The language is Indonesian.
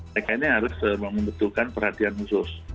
mereka ini harus membutuhkan perhatian khusus